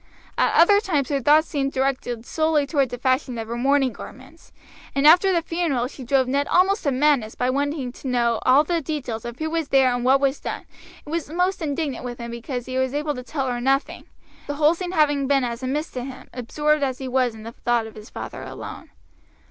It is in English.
At other times her thoughts seemed directed solely toward the fashion of her mourning garments, and after the funeral she drove Ned almost to madness by wanting to knew all the details of who was there and what was done, and was most indignant with him because he was able to tell her nothing, the whole scene having been as a mist to him, absorbed as he was in the thought of his father alone.